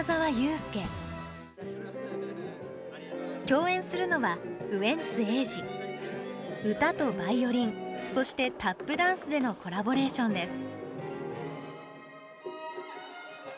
共演するのは歌とバイオリンそしてタップダンスでのコラボレーションです。